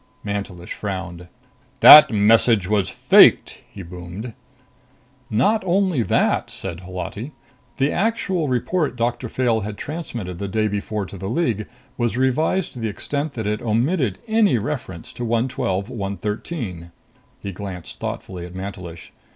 Mantelish frowned. "The message was faked!" he boomed. "Not only that," said Holati. "The actual report Doctor Fayle had transmitted the day before to the League was revised to the extent that it omitted any reference to 112 113." He glanced thoughtfully at Mantelish.